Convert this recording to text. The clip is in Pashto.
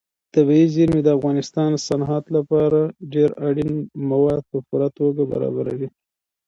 طبیعي زیرمې د افغانستان د صنعت لپاره ډېر اړین مواد په پوره توګه برابروي.